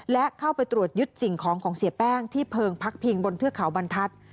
และเข้าไปตรวจยึดสิ่งของของเสียแป้งที่เพิงพักพิงบนเทือกเขาบรรทัศน์